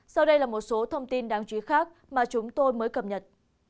sau đây là một số thông tin đáng chú ý khác mà chúng tôi mới cập nhật